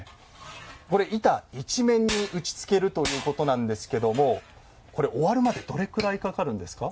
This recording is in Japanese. これ板一面に打ちつけるということなんですけどもこれ終わるまでどれくらいかかるんですか？